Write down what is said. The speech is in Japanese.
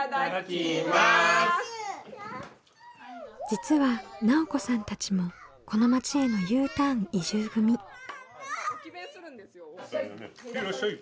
実は奈緒子さんたちもこの町へのＵターン移住組。へいらっしゃい！